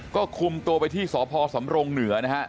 ก็คุมตัวไปที่สพสำรงเหนือนะฮะ